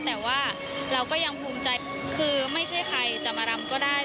แต่ว่าเราก็ยังภูมิใจคือไม่ใช่ใครจะมารำก็ได้